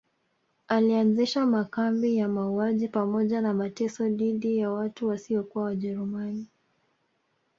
Alianzisha makambi ya mauaji pamoja na mateso dhidi ya watu wasiokuwa wajerumani